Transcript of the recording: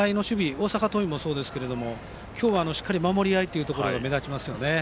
大阪桐蔭もそうですが今日はしっかり守り合いが目立ちますよね。